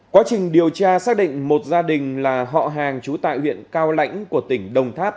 quá trình điều tra xác định một gia đình là họ hàng trú tại huyện cao lãnh của tỉnh đồng tháp